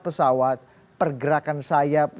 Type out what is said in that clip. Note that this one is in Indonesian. pesawat pergerakan sayap